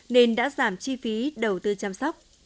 nên đã giảm chi phí đầu tư chăm sóc